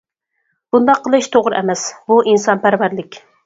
بۇنداق قىلىش توغرا ئەمەس، بۇ ئىنسانپەرۋەرلىك.